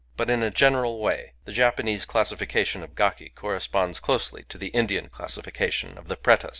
But, in a general way, the Japanese classification of gaki corresponds closely to the Indian classification of the pretas.